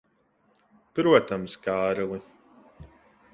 Protams, Kārli.